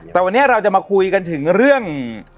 แต่วันนี้เราจะมาคุยกันถึงเรื่อง